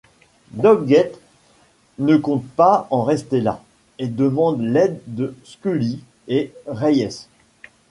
Doggett ne compte pas en rester là et demande l'aide de Scully et Reyes.